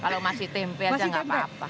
kalau masih tempe aja nggak apa apa